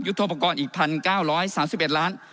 ยุทธภกรอีก๑๙๓๑ล้าน